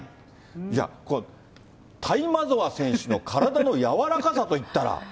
いや、タイマゾワ選手の体の柔らかさといったら。